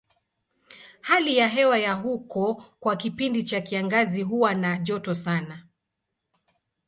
Hali ya hewa ya huko kwa kipindi cha kiangazi huwa na joto sana.